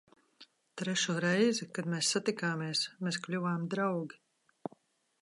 Trešo reizi, kad mēs satikāmies, mēs kļuvām draugi.